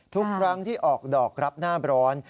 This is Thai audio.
ทุกครั้งที่ออกดอกรับหน้าร้อน